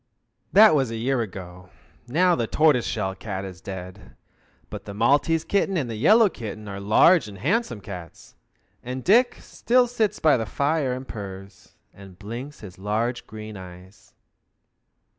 That was a year ago. Now the tortoise shell cat is dead, but the Maltese kitten and the yellow kitten are large and handsome cats, and Dick still sits by the fire and purrs, and blinks his large green eyes.